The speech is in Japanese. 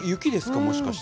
もしかして。